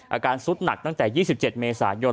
อาการสุดหนักตั้งแต่๒๗เมษายน